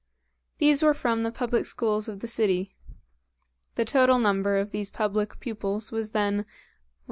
These were from the public schools of the city. The total number of these public pupils was then 110,000.